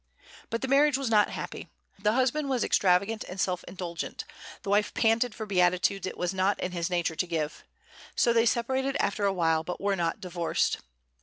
But the marriage was not happy. The husband was extravagant and self indulgent; the wife panted for beatitudes it was not in his nature to give. So they separated after a while, but were not divorced.